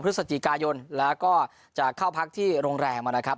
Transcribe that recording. พฤศจิกายนแล้วก็จะเข้าพักที่โรงแรมนะครับ